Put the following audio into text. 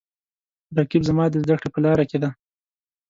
رقیب زما د زده کړې په لاره کې دی